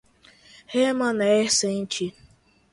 remanescente